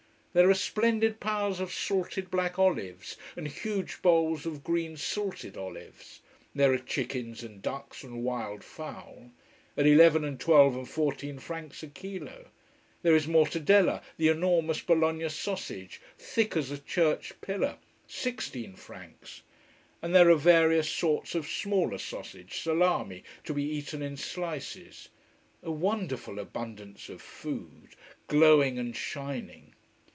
There are splendid piles of salted black olives, and huge bowls of green salted olives. There are chickens and ducks and wild fowl: at eleven and twelve and fourteen francs a kilo. There is mortadella, the enormous Bologna sausage, thick as a church pillar: 16 francs: and there are various sorts of smaller sausage, salami, to be eaten in slices. A wonderful abundance of food, glowing and shining.